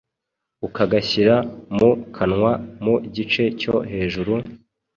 ukagashyira mu kanwa mu gice cyo hejuru,